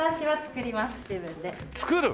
作る！？